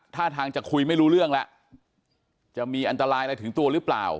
ท่าทางจะคุยไม่รู้เรื่องแล้วจะมีอันตรายอะไรถึงตัวหรือเปล่า